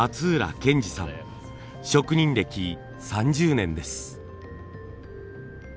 職人歴３０年です。